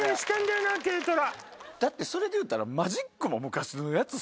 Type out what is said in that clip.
だってそれでいうたら。